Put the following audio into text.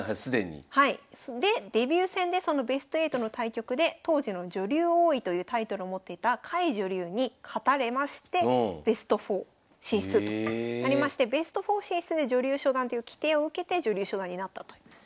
はいはい既に。でデビュー戦でそのベスト８の対局で当時の女流王位というタイトルを持っていた甲斐女流に勝たれましてベスト４進出となりましてベスト４進出で女流初段という規定を受けて女流初段になったと。